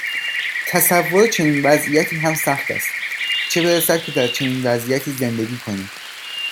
تصور چنین وضعیتی هم سخت هست، چه برسد که در چنین وضعیتی زندگی کنی.